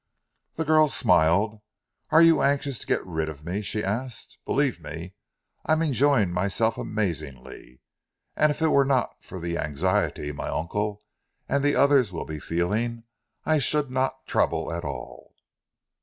The girl smiled. "Are you anxious to get rid of me?" she asked. "Believe me, I am enjoying myself amazingly, and if it were not for the anxiety my uncle and the others will be feeling, I should not trouble at all.